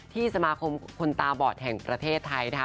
ที่สมาคมคนตาบอดแห่งประเทศไทย